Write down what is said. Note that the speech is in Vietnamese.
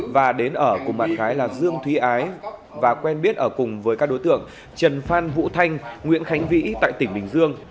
và đến ở cùng bạn gái là dương thúy ái và quen biết ở cùng với các đối tượng trần phan vũ thanh nguyễn khánh vĩ tại tỉnh bình dương